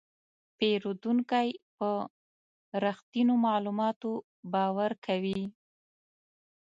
پیرودونکی په رښتینو معلوماتو باور کوي.